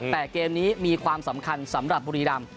แต่เกมนี้มีความสำคัญสำหรับบุรีรำ